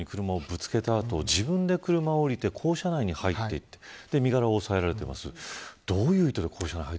容疑者は生徒に車をぶつけた後自分で車を降りて校内に入ってそして身柄を押さえられています。